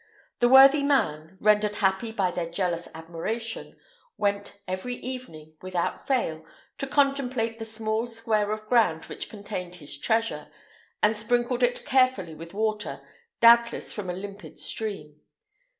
The worthy man, rendered happy by their jealous admiration, went every evening, without fail, to contemplate the small square of ground which contained his treasure, and sprinkled it carefully with water, doubtless from a limpid stream.